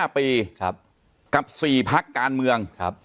๕ปีกับ๔พักการเมือง